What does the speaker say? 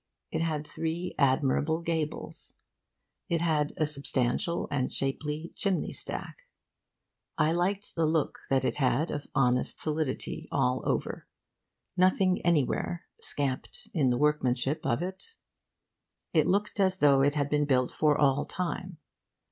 It had three admirable gables. It had a substantial and shapely chimney stack. I liked the look that it had of honest solidity all over, nothing anywhere scamped in the workmanship of it. It looked as though it had been built for all time.